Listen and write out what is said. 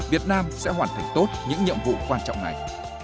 việt nam sẽ hoàn thành tốt những nhiệm vụ quan trọng này